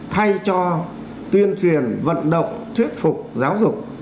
thay cho tuyên truyền vận động thuyết phục giáo dục